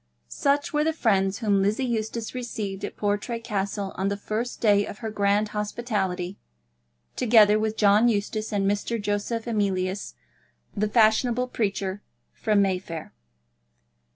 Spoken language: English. Such were the friends whom Lizzie Eustace received at Portray Castle on the first day of her grand hospitality, together with John Eustace and Mr. Joseph Emilius, the fashionable preacher from Mayfair.